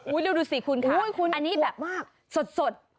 อุ้ยดูสิคุณค่ะอันนี้แบบสด